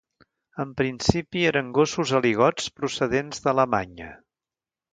En principi eren gossos aligots procedents d'Alemanya.